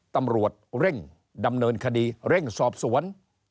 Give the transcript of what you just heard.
ตำรวจเร่งดำเนินคดีเร่งสอบสวน